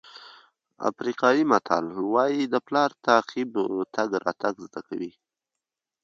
افریقایي متل وایي د پلار تعقیب تګ راتګ زده کوي.